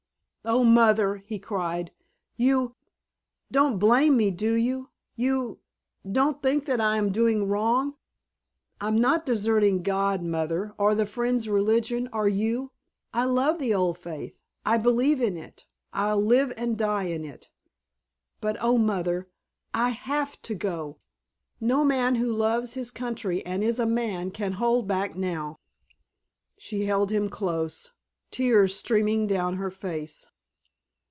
"Oh, Mother," he cried, "you don't blame me, do you? You don't think that I am doing wrong? I'm not deserting God, Mother, or the Friends' religion, or you! I love the old faith. I believe in it. I'll live and die in it. But oh, Mother, I have to go! No man who loves his country and is a man can hold back now!" She held him close, tears streaming down her face.